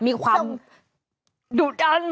มีความดูดดัน